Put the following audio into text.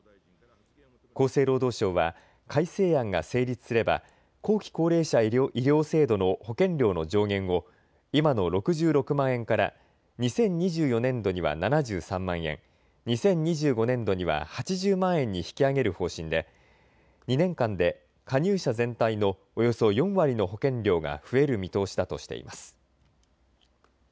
厚生労働省は改正案が成立すれば後期高齢者医療制度の保険料の上限を今の６６万円から２０２４年度には７３万円、２０２５年度には８０万円に引き上げる方針で２年間で加入者全体のおよそ４割の保険料が増える見通しだとしています。